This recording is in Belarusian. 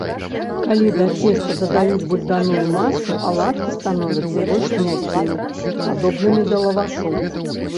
Калі да цеста дадаюць бульбяную масу, аладкі становяцца больш мяккімі, падобнымі да лавашу.